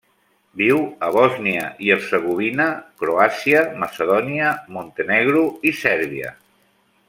Viu a Bòsnia i Hercegovina, Croàcia, Macedònia, Montenegro i Sèrbia.